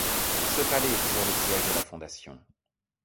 Ce palais est toujours le siège de la fondation.